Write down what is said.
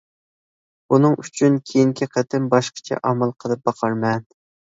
بۇنىڭ ئۈچۈن كېيىنكى قېتىم باشقىچە ئامال قىلىپ باقارمەن.